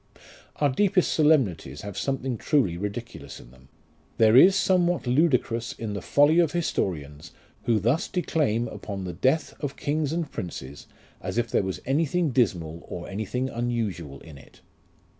Our deepest solemnities have something truly ridiculous in them. There is somewhat ludicrous in the folly of historians, who thus declaim upon the death of kings and princes, as if there was anything dismal, or anything unusual, in it.